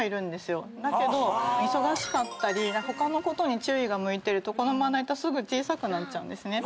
だけど忙しかったり他のことに注意が向いてるとこのまな板すぐ小さくなっちゃうんですね。